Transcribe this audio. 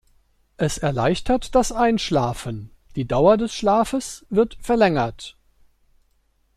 Es erleichtert das Einschlafen, die Dauer des Schlafes wird verlängert.